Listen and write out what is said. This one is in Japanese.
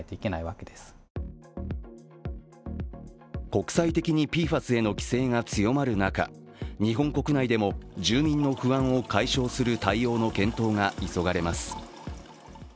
国際的にＰＦＡＳへの規制が強まる中、日本国内でも住民の不安を解消する対応の検討が急がれます。